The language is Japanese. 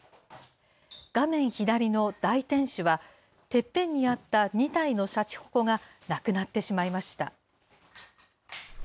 画面左の大天守は、てっぺんにあった２体のしゃちほこがなくなってしまいました。